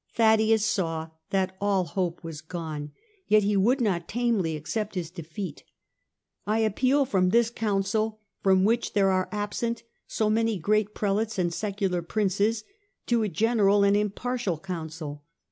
Thaddaeus saw that all hope was gone. Yet he would not tamely accept his defeat. " I appeal from this Council, from which there are absent so many great Prelates and secular Princes, to a general and impartial Council.